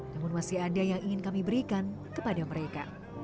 namun masih ada yang ingin kami berikan kepada mereka